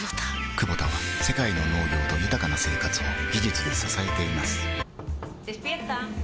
クボタは世界の農業と豊かな生活を技術で支えています起きて。